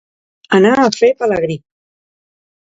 Anar a fer pelagrí.